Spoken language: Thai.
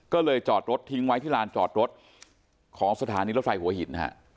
ก็เลยจอดรถทิ้งไว้ที่ลานจอดรถของสถานีรถไฟหัวหินนะฮะ